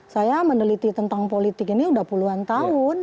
saya meneliti tentang politik ini sudah puluhan tahun